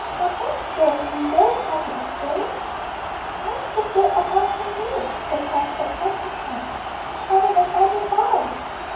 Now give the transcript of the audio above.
Perhaps, sir, you will kindly explain?' 'What's the good of asking me?' protested Flushington; 'I haven't an idea why!'